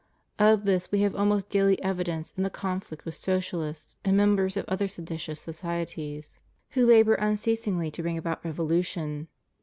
Of this we have almost daily evidence in the conflict with Socialists and members of other seditious societies, who labor ua HUMAN LIBERTY. 147 ceasingly to bring about revolution.